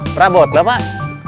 perabot gak pak